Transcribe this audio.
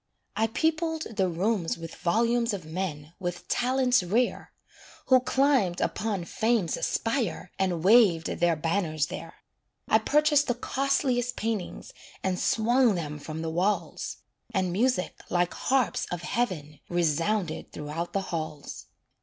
I peopled the rooms with volumes Of men with talents rare, Who climbed upon Fame's spire And waved their banners there. I purchased the costliest paintings, And swung them from the walls; And music, like harps of heaven, Resounded throughout the halls.